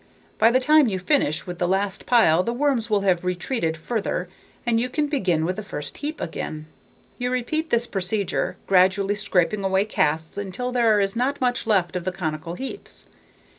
By the time you finish with the last pile the worms will have retreated further and you can begin with the first heap again. You repeat this procedure, gradually scraping away casts until there is not much left of the conical heaps.